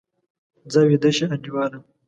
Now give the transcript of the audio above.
ځه، ویده شه انډیواله!